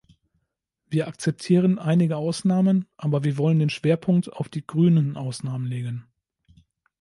Wir akzeptieren einige Ausnahmen, aber wir wollen den Schwerpunkt auf die "grünen" Ausnahmen legen.